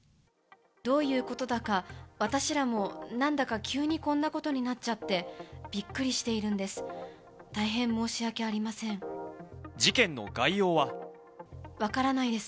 どういうことだか、私らもなんだか急にこんなことになっちゃって、びっくりしているんです。